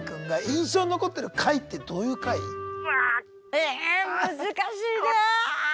え難しいなあ！